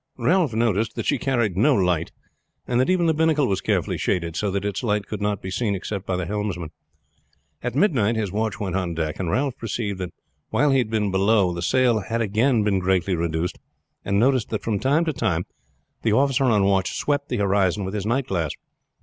Ralph noticed that she carried no light, and that even the binnacle was carefully shaded so that its light could not be seen except by the helmsman. At midnight his watch went on deck, and Ralph perceived that while he had been below the sail had again been greatly reduced, and noticed that from time to time the officer on watch swept the horizon with his night glass.